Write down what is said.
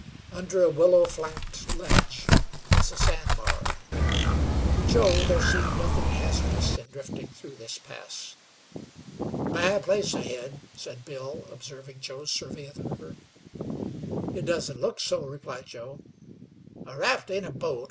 Under a willow flanked ledge was a sand bar. To Joe there seemed nothing hazardous in drifting through this pass. "Bad place ahead," said Bill, observing Joe's survey of the river. "It doesn't look so," replied Joe. "A raft ain't a boat.